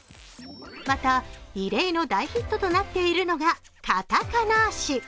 また、異例の大ヒットとなっているのが「カタカナーシ」。